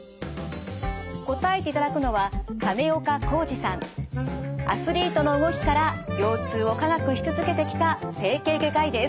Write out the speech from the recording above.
答えていただくのはアスリートの動きから腰痛を科学し続けてきた整形外科医です。